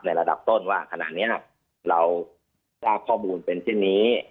ระดับต้นว่าขณะนี้เราทราบข้อมูลเป็นเช่นนี้